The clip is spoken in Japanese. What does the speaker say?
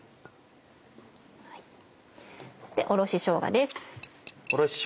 そしておろししょうがです。